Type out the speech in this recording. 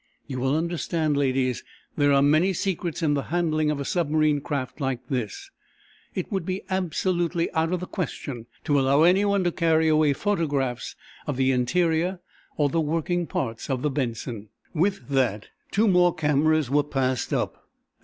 You will understand, ladies, that there are many secrets in the handling of a submarine craft like this, It would be absolutely out of the question to allow anyone to carry away photographs of the interior or the working parts of the 'Benson.'" With that, two more cameras were passed up.